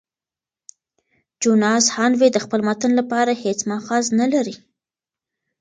جوناس هانوې د خپل متن لپاره هیڅ مأخذ نه لري.